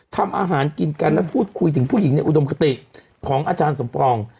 ทำอาหารกินกันและพูดคุยถึงผู้หญิงในอุดมคติของอาจารย์สมปอง